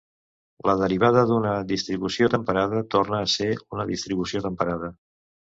La derivada d'una distribució temperada torna a ser una distribució temperada.